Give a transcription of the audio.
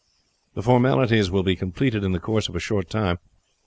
"The formalities will all be completed in the course of a short time.